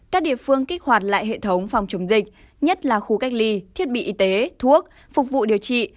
các địa phương kích hoạt lại hệ thống phòng chống dịch nhất là khu cách ly thiết bị y tế thuốc phục vụ điều trị